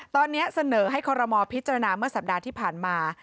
ตอนนี้เสนอให้คอรมอลพิจารณาเมื่อสัปดาห์ที่ผ่านมา